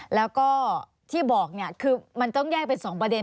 แล้วก็ที่บอกคือมันต้องแยกเป็นสองประเด็น